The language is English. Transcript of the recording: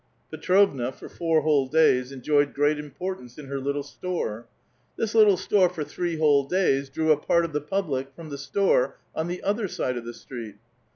Petrovna, for four whole days, enjoyed great importance in her little store. This little store for three whole days drew a. part of the public from the store on the other side of the Btreet.